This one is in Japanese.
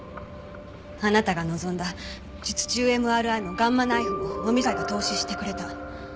あなたが望んだ術中ＭＲＩもガンマナイフももみ会が投資してくれた。